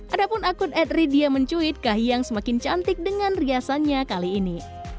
ada pun akun adridia mencuit kahiyang semakin cantik dengan riasannya kali ini